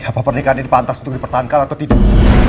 apakah pernikahan ini pantas untuk dipertahankan atau tidak